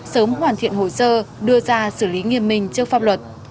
sớm hoàn thiện hồ sơ đưa ra xử lý nghiêm minh trước pháp luật